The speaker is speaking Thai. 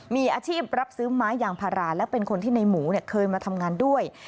มีอาชีพรับซื้อไม้ยางพาราและเป็นคนที่ในหมูเคยมาทำงานด้วย